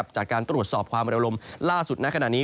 จากการตรวจสอบความระบบไฟลมล่าสุดในขณะนี้